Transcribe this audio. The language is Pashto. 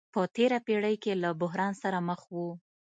په تېره پېړۍ کې له بحران سره مخ وو.